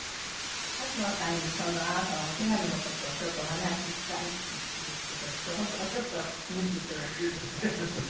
勝野さんにあなたのお手紙の事をちょっとお話ししたんですけどそこのところちょっと見て頂いていいですか？